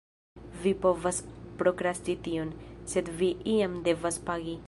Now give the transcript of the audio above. Vi povas prokrasti tion, sed vi iam devas pagi.